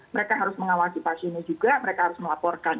mereka harus mengawasi pasiennya juga mereka harus melaporkan